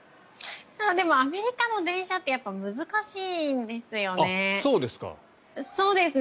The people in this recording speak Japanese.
でも、アメリカの電車って難しいんですよね。